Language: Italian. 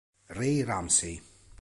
Ray Ramsey